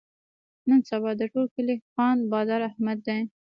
نن سبا د ټول کلي خان بادار احمد دی.